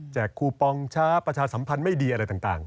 คูปองช้าประชาสัมพันธ์ไม่ดีอะไรต่าง